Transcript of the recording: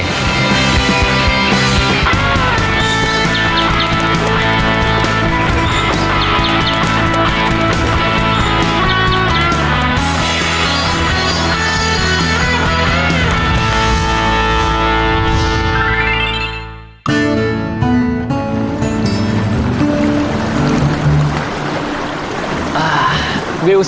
สวัสดีครับ